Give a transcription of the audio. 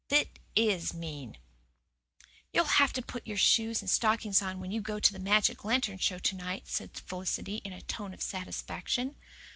It IS mean." "You'll have to put your shoes and stockings on when you go to the magic lantern show to night," said Felicity in a tone of satisfaction.